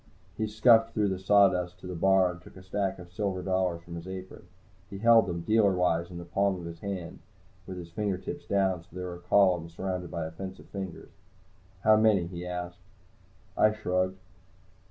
He scuffed through the sawdust to the bar and took a stack of silver dollars from his apron. He held them, dealerwise, in the palm of his hand, with his fingertips down, so that they were a column surrounded by a fence of fingers. "How many?" he asked. I shrugged.